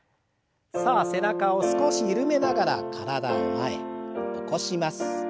さあ背中を少し緩めながら体を前。起こします。